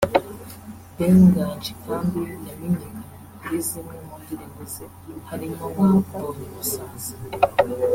Ben Nganji kandi yamenyekanye kuri zimwe mu ndirimbo ze harimo nka “Mbonye umusaza”